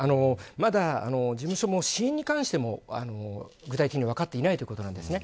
まだ事務所、死因に関しても具体的に分かっていないということなんですね。